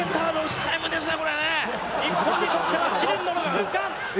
日本にとっては試練の６分間。